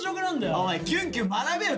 おいキュンキュン学べよ